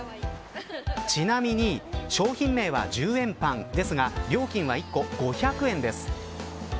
ちなみに商品名は１０円パンですが料金は１個５００円です。